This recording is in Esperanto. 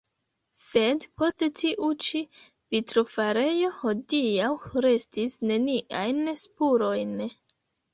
Sed post tiu ĉi vitrofarejo hodiaŭ restis neniajn spurojn.